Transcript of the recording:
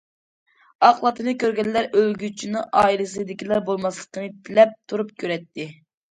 ئاق لاتىنى كۆرگەنلەر ئۆلگۈچىنىڭ ئائىلىسىدىكىلەر بولماسلىقىنى تىلەپ تۇرۇپ كۆرەتتى.